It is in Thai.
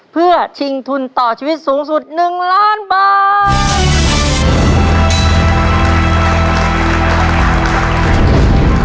เพื่อชิงทุนต่อชีวิตสูงสุด๑ล้านบาท